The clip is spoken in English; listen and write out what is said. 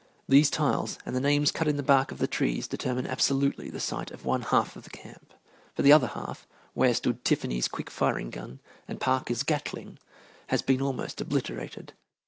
These tiles and the names cut in the bark of the trees determine absolutely the site of one half of the camp, but the other half, where stood Tiffany's quick firing gun and Parker's Gatling, has been almost obliterated.